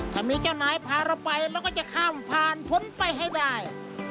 ถ้ามีเจ้านายพาเราไปเราก็จะข้ามผ่านพ้นไปให้ได้